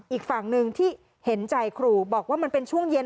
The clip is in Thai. อีกฝั่งหนึ่งที่เห็นใจครูบอกว่ามันเป็นช่วงเย็น